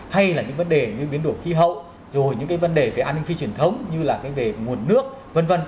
hay là những vấn đề như biến đổi khí hậu rồi những cái vấn đề về an ninh phi truyền thống như là cái về nguồn nước v v